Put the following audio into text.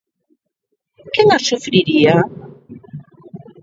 ¿Quen as sufriría?